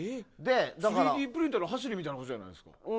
３Ｄプリンターの走りみたいなことじゃないですか。